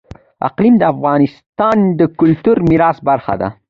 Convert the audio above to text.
اقلیم د افغانستان د کلتوري میراث برخه ده.